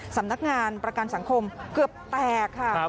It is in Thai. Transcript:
สำนักงานประกันสังคมเกือบแตกค่ะ